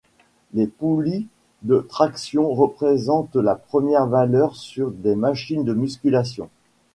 Les poulies de tractions représentent la première valeur sûre des machines de musculation.